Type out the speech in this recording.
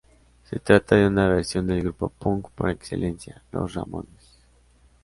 Se trata de una versión del grupo Punk por excelencia, los Ramones.